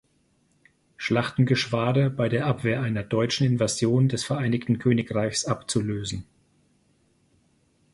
Schlachtengeschwader bei der Abwehr einer deutschen Invasion des Vereinigten Königreichs abzulösen.